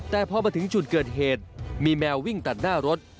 แต่พอมาถึงจุดเกิดเหตุมีแมววิ่งตัดหน้ารถ